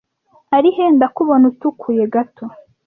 ari he ndakubona utukuye gato